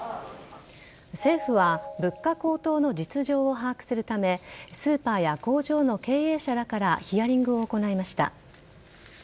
政府は物価高騰の実情を把握するためスーパーや工場の経営者らからヒアリングを行いました。